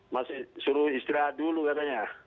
masih suruh istirahat dulu katanya